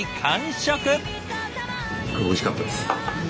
おいしかったです。